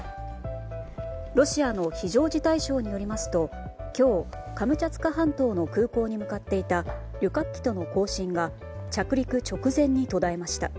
ロシアの非常事態省によりますと今日カムチャツカ半島の空港に向かっていた旅客機との交信が着陸直前に途絶えました。